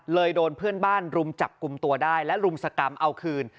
โดนเพื่อนบ้านรุมจับกลุ่มตัวได้และรุมสกรรมเอาคืน